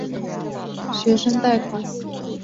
学生贷款。